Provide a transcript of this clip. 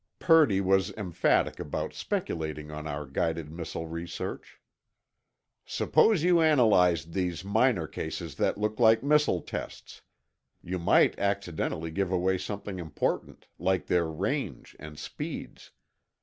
Purdy was emphatic about speculating on our guided missile research. "Suppose you analyzed these minor cases that look like missile tests. You might accidentally give away something important, like their range and speeds.